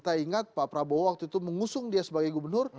karena bahwa waktu itu mengusung dia sebagai gubernur